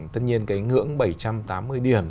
tất nhiên cái ngưỡng bảy trăm tám mươi điểm